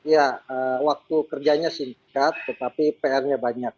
ya waktu kerjanya singkat tetapi pr nya banyak